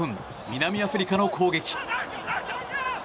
南アフリカの攻撃。